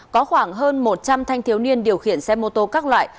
có khoảng hơn một trăm linh thanh thiếu niên điều khiển xe mô tô các loại